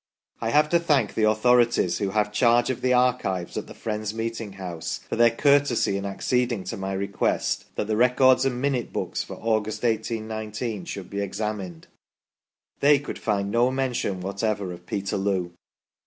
I have to thank the authorities who have charge of the archives at the Friends' meeting house for their courtesy in acceding to my request that the Records and Minute Books for August, 1819, should be examined. They could find no mention whatever of Peterloo.